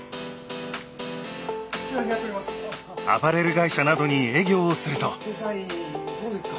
アパレル会社などに営業をすると。